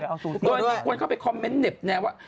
โดยมีคนเข้าไปคอมเมนต์เหน็บแนมว่า